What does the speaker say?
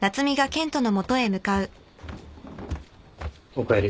おかえり。